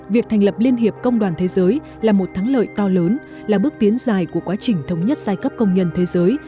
việc thành lập liên hiệp công đoàn thế giới là một thắng lợi to lớn là bước tiến dài của quá trình thống nhất giai cấp công nhân thế giới